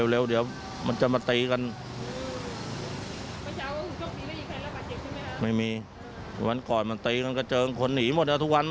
เร็วเดี๋ยวมันจะมาตีกัน